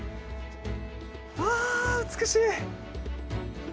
わ美しい！